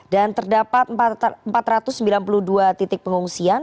dan terdapat empat ratus sembilan puluh dua titik pengungsian